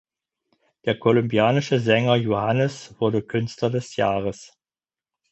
Der kolumbianische Sänger Juanes wurde Künstler des Jahres.